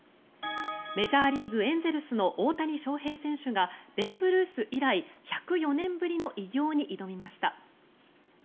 メジャーリーグエンゼルスの大谷翔平選手がベーブ・ルース以来１０４年ぶりの偉業に挑みました。